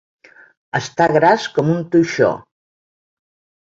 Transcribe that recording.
Està gras com un toixó.